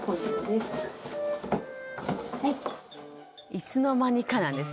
いつの間にかなんですね。